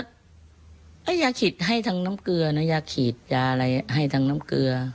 ฉีดลุงก็อยากฉีดให้ทางน้ำเกลือนะอยากฉีดยาอะไรให้ทางน้ำเกลือ